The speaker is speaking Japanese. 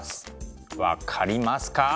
分かりますか？